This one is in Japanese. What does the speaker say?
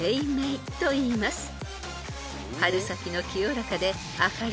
［春先の清らかで］